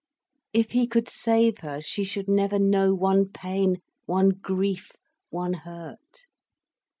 If he could save her she should never know one pain, one grief, one hurt.